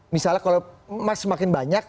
misalnya kalau semakin banyak